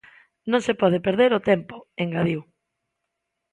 "Non se pode perder o tempo", engadiu.